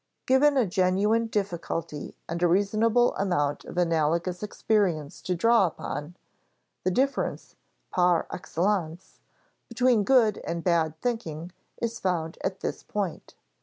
Given a genuine difficulty and a reasonable amount of analogous experience to draw upon, the difference, par excellence, between good and bad thinking is found at this point.